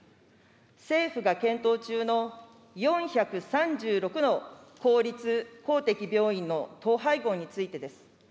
政府が検討中の４３６の公立・公的病院の統廃合についてです。